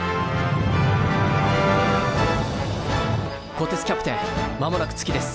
こてつキャプテンまもなく月です。